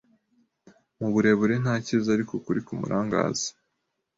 Muburebure nta cyiza ariko ukuri kumurangaza